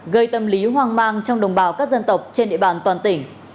gây tâm lý hoang mang trong đồng bào các dân tộc trên địa bàn toàn tỉnh